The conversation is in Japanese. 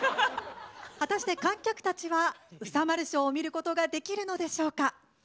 果たして観客たちはうさ丸ショーを見ることができるのでしょうか？